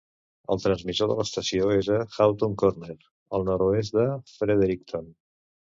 El transmissor de l'estació és a Hamtown Corner, el nord-oest de Fredericton.